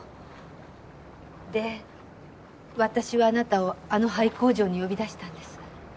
で私はあなたをあの廃工場に呼び出したんです。